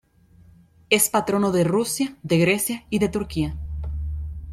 Es Patrono de Rusia, de Grecia y de Turquía.